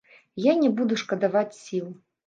Я не буду шкадаваць сіл.